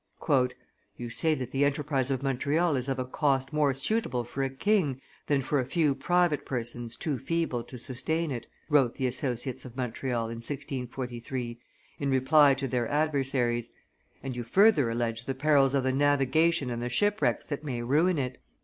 "You say that the enterprise of Montreal is of a cost more suitable for a king than for a few private persons too feeble to sustain it," wrote the associates of Montreal, in 1643, in reply to their adversaries, "and you further allege the perils of the navigation and the shipwrecks that may ruin it.